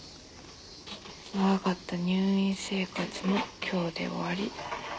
長かった入院生活も今日で終わり。